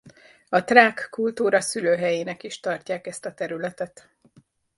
A trák kultúra szülőhelyének is tartják ezt a területet.